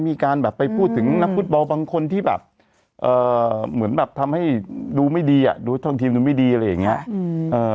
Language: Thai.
มีการไปพูดถึงนักฟุตบอลบางคนที่เหมือนทำให้ดูไม่ดีดูว่าท่องทีมดูไม่ดีอะไรอย่างนี้